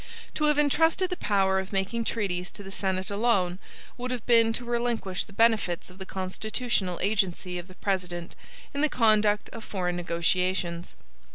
To have intrusted the power of making treaties to the Senate alone, would have been to relinquish the benefits of the constitutional agency of the President in the conduct of foreign negotiations.